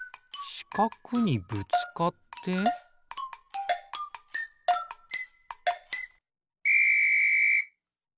しかくにぶつかってピッ！